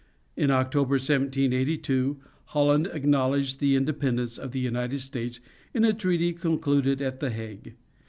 In October, 1782, Holland acknowledged the independence of the United States in a treaty concluded at The Hague.